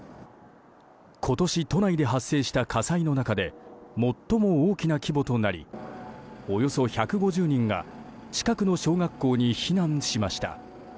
今年、都内で発生した火災の中で最も大きな規模となりおよそ１５０人が近くの小学校に避難しました。